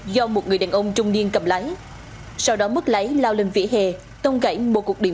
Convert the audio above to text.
do một người đàn ông trung niên cầm lái sau đó mất lái lao lên vỉa hè tông gãy một cuộc điện